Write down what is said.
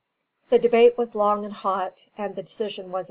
The debate was long and hot, and the decision was against him.